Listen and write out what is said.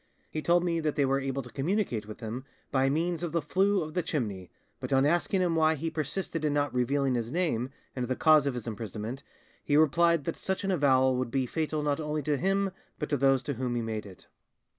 He told me that they were able to communicate with him by means of the flue of the chimney, but on asking him why he persisted in not revealing his name and the cause of his imprisonment, he replied that such an avowal would be fatal not only to him but to those to whom he made it.